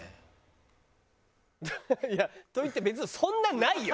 いやといって別にそんなないよ！